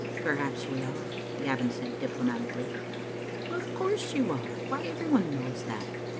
"Perhaps we are," Gavin said, diplomatically. "Of course you are. Why, every one knows that.